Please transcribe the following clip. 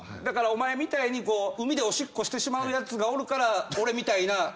だからお前みたいに海でおしっこしてしまうやつがおるから俺みたいな。